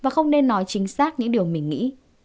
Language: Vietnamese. không nên nói chính xác những điều mình nghĩ